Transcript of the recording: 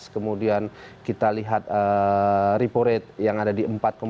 kemudian kita lihat repo rate yang ada di empat lima